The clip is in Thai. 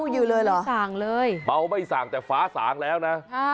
ยังเมาอยู่เลยเหรอเมาไม่สางเลยแต่ฟ้าสางแล้วนะ